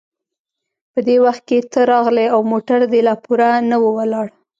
په دې وخت کې ته راغلې او موټر دې لا پوره نه و ولاړ.